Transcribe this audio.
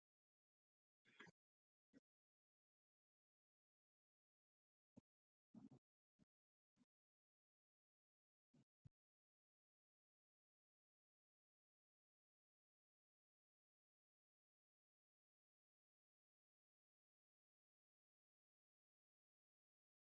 Donostiako Txantxerreka adibide bat izan daiteke.